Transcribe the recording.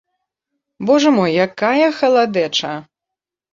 Божа мой, якая халадэча!